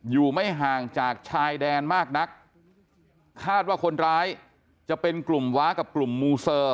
อยู่ไม่ห่างจากชายแดนมากนักคาดว่าคนร้ายจะเป็นกลุ่มว้ากับกลุ่มมูเซอร์